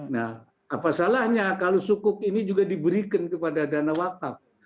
nah apa salahnya kalau sukuk ini juga diberikan kepada dana wakaf